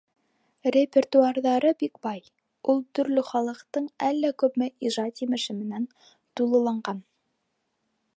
Репертуарҙары бик бай, ул төрлө халыҡтың әллә күпме ижад емеше менән тулыланған.